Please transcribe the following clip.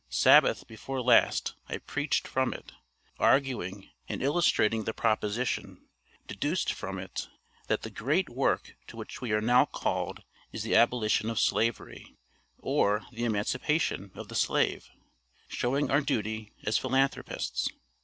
Sabbath before last I preached from it, arguing and illustrating the proposition, deduced from it, that "the great work to which we are now called is the abolition of Slavery, or the emancipation of the slave," showing our duty as philanthropists.